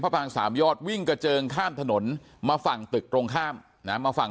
บางสามยอดวิ่งกระเจิงข้ามถนนมาฝั่งตึกตรงข้ามนะมาฝั่ง